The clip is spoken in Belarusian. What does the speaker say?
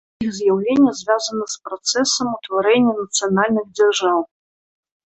Іх з'яўленне звязана з працэсам утварэння нацыянальных дзяржаў.